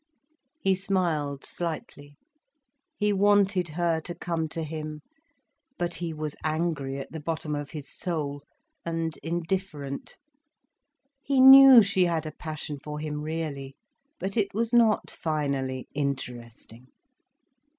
He smiled, slightly. He wanted her to come to him. But he was angry at the bottom of his soul, and indifferent. He knew she had a passion for him, really. But it was not finally interesting.